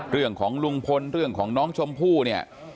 เรื่องของลุงพลเรื่องของน้องชมพู่เนี่ย